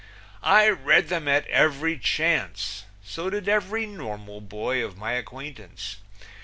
I read them at every chance; so did every normal boy of my acquaintance.